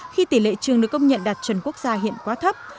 khi tỷ lệ trường được công nhận đặt trần quốc gia hiện quá thấp